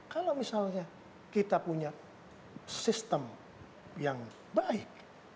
kalau misalnya kita punya sistem yang baik